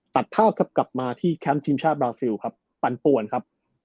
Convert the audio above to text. ตัดภาพครับกลับมาที่แคมป์ทีมชาติบราซิลครับปั่นป่วนครับ